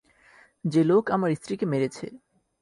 যে লোক আমার স্ত্রীকে মেরেছে।